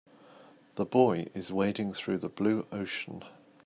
The boy is wading through the blue ocean.